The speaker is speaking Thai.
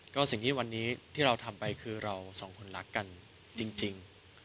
ก็สิ่งที่วันนี้ที่เราทำไปคือเราสองคนรักกันจริง